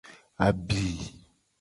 Abi.